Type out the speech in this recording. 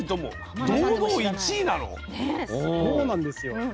そうなんですよ。